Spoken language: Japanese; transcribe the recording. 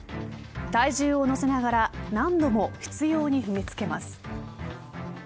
体重を乗せながら何度も執拗に踏みつけます。